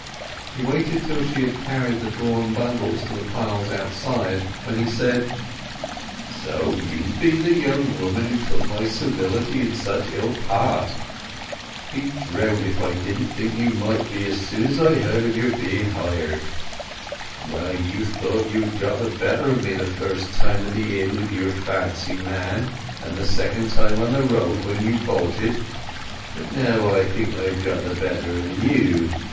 He waited till she had carried the drawn bundles to the pile outside, when he said, "So you be the young woman who took my civility in such ill part? Be drowned if I didn't think you might be as soon as I heard of your being hired! Well, you thought you had got the better of me the first time at the inn with your fancy man, and the second time on the road, when you bolted; but now I think I've got the better of you."